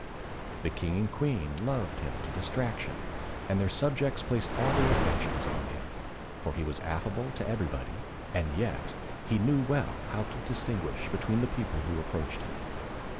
The King and Queen loved him to distraction, and their subjects placed all their affections on him, for he was affable to everybody, and yet he knew well how to distinguish between the people who approached him.